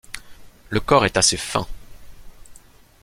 Le corps est assez fin.